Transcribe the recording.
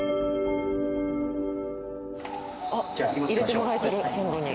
入れてもらえてる線路に。